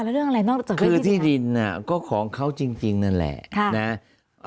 คือที่ดินน่ะก็ของเขาจริงนั่นแหละ